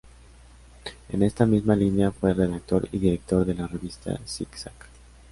En esta misma línea fue el redactor y director de la revista Zig-Zag.